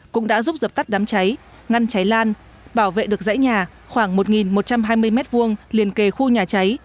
cũng đã giúp dập tắt đám cháy ngăn cháy lan bảo vệ được dãy nhà khoảng một một trăm hai mươi m hai liền kề khu nhà cháy